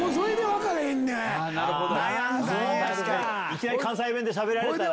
いきなり関西弁でしゃべられて。